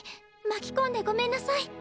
まきこんでごめんなさい